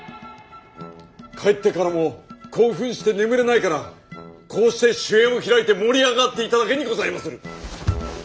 帰ってからも興奮して眠れないからこうして酒宴を開いて盛り上がっていただけにございまする。